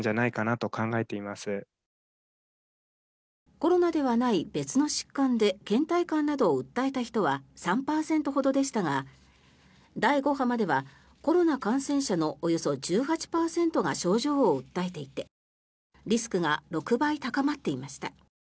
コロナではない別の疾患でけん怠感などを訴えた人は３％ほどでしたが第５波まではコロナ感染者のおよそ１８％が症状を訴えていてリスクが６倍高まっていました。